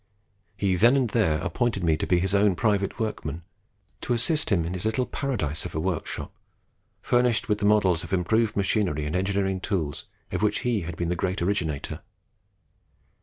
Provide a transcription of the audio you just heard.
He then and there appointed me to be his own private workman, to assist him in his little paradise of a workshop, furnished with the models of improved machinery and engineering tools of which he has been the great originator.